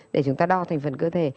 để chúng ta đo thành phần cơ thể